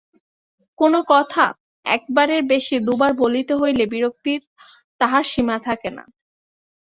কোনো কথা একবারের বেশি দুবার বলিতে হইলে বিরক্তির তাহার সীমা থাকে না।